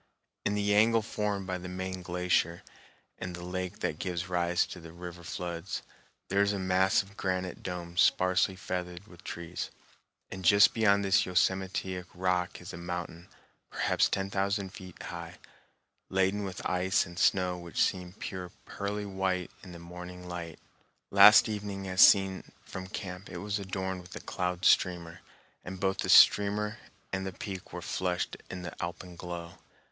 In the angle formed by the main glacier and the lake that gives rise to the river floods, there is a massive granite dome sparsely feathered with trees, and just beyond this yosemitic rock is a mountain, perhaps ten thousand feet high, laden with ice and snow which seemed pure pearly white in the morning light. Last evening as seen from camp it was adorned with a cloud streamer, and both the streamer and the peak were flushed in the alpenglow.